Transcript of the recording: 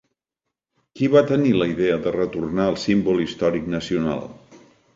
Qui va tenir la idea de retornar al símbol històric nacional?